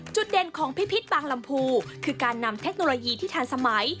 เด่นของพิพิษบางลำพูคือการนำเทคโนโลยีที่ทันสมัย